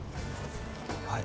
はい。